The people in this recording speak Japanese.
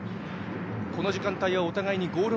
この時間帯はお互いにゴール